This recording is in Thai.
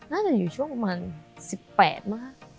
น่าจะอยู่ช่วงประมาณ๑๘มั้ง